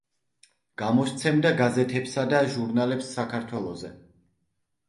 გამოსცემდა გაზეთებსა და ჟურნალებს საქართველოზე.